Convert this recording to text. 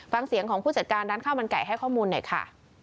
ฟังเสียงของผู้จัดการร้านข้าวมันไก่ให้ข้อมูลหน่อยค่ะ